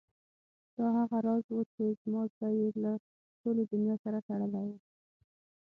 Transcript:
دا هغه راز و چې زما زړه یې له ټولې دنیا سره تړلی و.